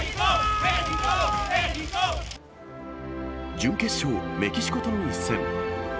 準決勝、メキシコとの一戦。